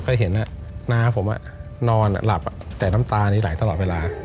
เคยเห็นน้าผมนอนหลับแต่น้ำตานี้ไหลตลอดเวลา